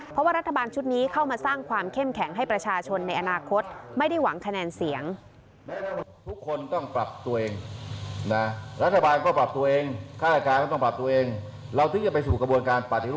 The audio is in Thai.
เพราะว่ารัฐบาลชุดนี้เข้ามาสร้างความเข้มแข็งให้ประชาชนในอนาคตไม่ได้หวังคะแนนเสียง